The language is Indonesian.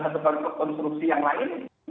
atau terlibat dalam konstruksi yang lain